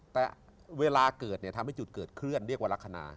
แต่เวลาเกิดเนี่ยทำให้จุดเกิดเคลื่อนเรียกว่าลักษณะ